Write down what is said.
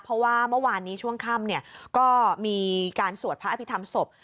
เพราะว่าเมื่อวานนี้ช่วงค่ำก็มีการสวดพระอภิษฐรรมศพ